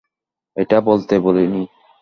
এটা বলতে বলিনি!